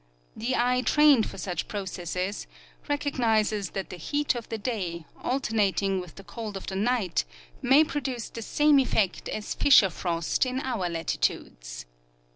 The eye trained for such processes recognizes that the heat of the day, alternating with .the cold of the night, may produce the same effect as fissure frost in our latitudes.